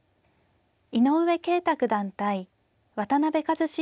井上慶太九段対渡辺和史四段。